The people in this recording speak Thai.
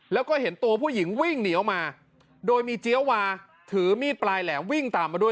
แล้วก็เห็นตัวผู้หญิงวิ่งหนีออกมาโดยมีเจี๊ยววาถือมีดปลายแหลมวิ่งตามมาด้วย